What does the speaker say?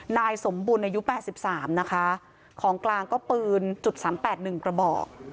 นายสมบูรณ์อายุแปดสิบสามนะคะของกลางก็ปืนจุดสามแปดหนึ่งประบอก